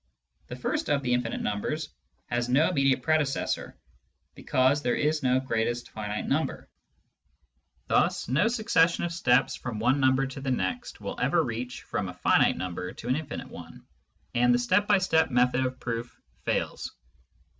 The first of the infinite numbers has no immediate predecessor, because there is no greatest finite number ; thus no succession of steps from one number to the next will ever reach from a finite number to an infinite one, and the step by step metnod of proof fails.